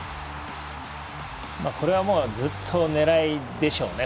これはずっと狙いでしょうね。